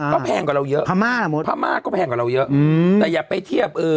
ก็แพงกว่าเราเยอะพม่ามดพม่าก็แพงกว่าเราเยอะอืมแต่อย่าไปเทียบเออ